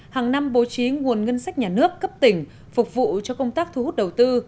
hàng năm bố trí nguồn ngân sách nhà nước cấp tỉnh phục vụ cho công tác thu hút đầu tư